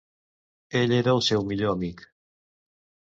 Ell era el seu millor amic.